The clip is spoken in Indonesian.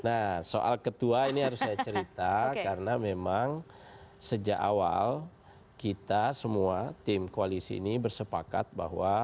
nah soal ketua ini harus saya cerita karena memang sejak awal kita semua tim koalisi ini bersepakat bahwa